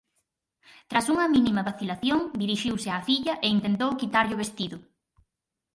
Tras unha mínima vacilación, dirixiuse á filla e intentou quitarlle o vestido.